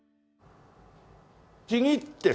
ちぎってさ